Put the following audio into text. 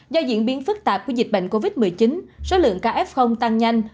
do diễn biến phức tạp của dịch bệnh covid một mươi chín số lượng ca f tăng nhanh